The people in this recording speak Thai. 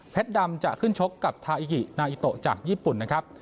ดำจะขึ้นชกกับทาอิหินาอิโตจากญี่ปุ่นนะครับ